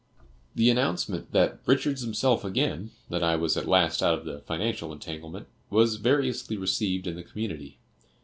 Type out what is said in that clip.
The announcement that "Richard's himself again" that I was at last out of the financial entanglement was variously received in the community.